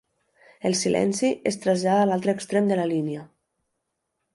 El silenci es trasllada a l'altre extrem de la línia.